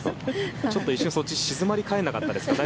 ちょっと一瞬そっち静まり返らなかったですか？